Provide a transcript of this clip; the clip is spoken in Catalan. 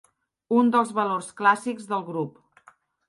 Un dels valors clàssics de grup.